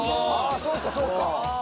そうかそうか！